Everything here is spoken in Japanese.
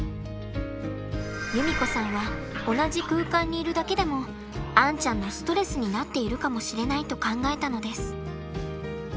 由実子さんは同じ空間にいるだけでもアンちゃんのストレスになっているかもしれないと考えたのです。